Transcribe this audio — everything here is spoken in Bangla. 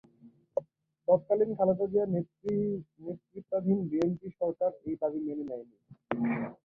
তৎকালীন খালেদা জিয়া নেতৃত্বাধীন বিএনপি সরকার এই দাবি মেনে নেয় নি।